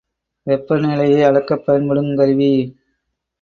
வெப்பநிலையை அளக்கப் பயன்படுங் கருவி.